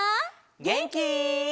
げんき？